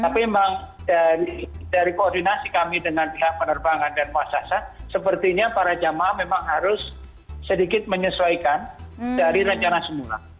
tapi memang dari koordinasi kami dengan pihak penerbangan dan muasasa sepertinya para jamaah memang harus sedikit menyesuaikan dari rencana semula